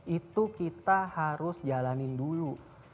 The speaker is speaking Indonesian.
itu kita harus jalanin dulu